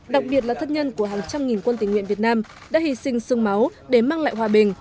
đặc biệt là thất nhân của hàng trăm nghìn quân tình nguyện việt nam đã hy sinh sương máu để mang lại hòa bình